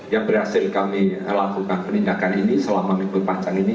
yang berhasil kami lakukan penindakan ini selama minggu panjang ini